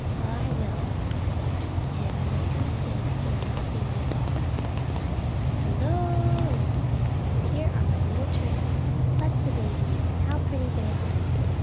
Well, I will, and if I make a mistake it will not be my fault. Hello! Here are my dear little Turtlets! Bless the babies, how pretty they are!